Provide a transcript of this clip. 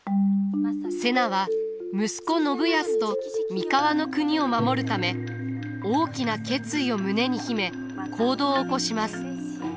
瀬名は息子信康と三河国を守るため大きな決意を胸に秘め行動を起こします。